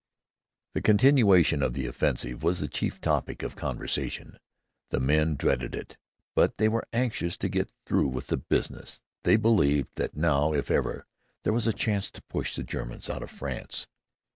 The continuation of the offensive was the chief topic of conversation. The men dreaded it, but they were anxious to get through with the business. They believed that now if ever there was the chance to push the Germans out of France.